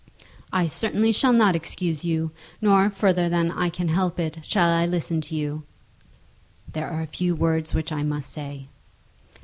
"I certainly shall not excuse you; nor, further than I can help it, shall I listen to you." "There are a few words which I must say."